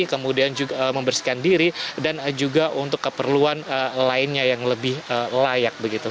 kemudian juga membersihkan diri dan juga untuk keperluan lainnya yang lebih layak begitu